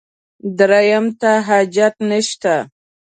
درېیم ته حاجت نشته.